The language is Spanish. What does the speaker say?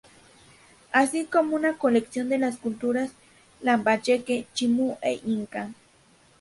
Así como una colección de las culturas lambayeque, chimú e inca.